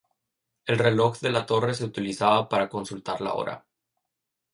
El reloj de la torre se utilizaba para consultar la hora.